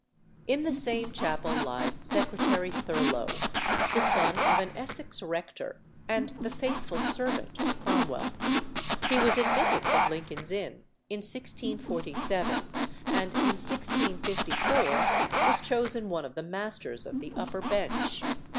In the same chapel lies Secretary Thurloe, the son of an Essex rector and the faithful servant of Cromwell. He was admitted of Lincoln's Inn in 1647, and in 1654 was chosen one of the masters of the upper bench.